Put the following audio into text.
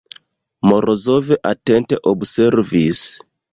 Morozov atente observis.